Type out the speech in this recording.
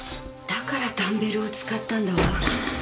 だからダンベルを使ったんだわ。